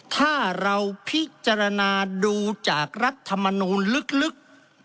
ถ้าเราพิจารณาดูจากรัฐมนูลลึก